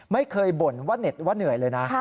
ไม่เคยบ่นว่าเน็ตว่าเหนื่อยเลยนะ